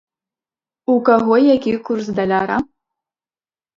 У каго які курс даляра?